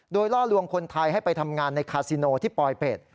โดยล่อลวงคนไทยให้ไปทำงานในคาซิโนที่ปลอยเป็ด